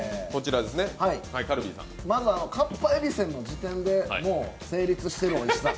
まずかっぱえびせんの時点で、もう成立してるおいしさ。